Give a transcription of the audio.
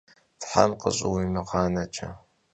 Them khış' yimığaneç'e!